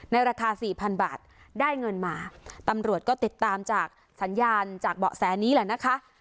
ราคาสี่พันบาทได้เงินมาตำรวจก็ติดตามจากสัญญาณจากเบาะแสนี้แหละนะคะ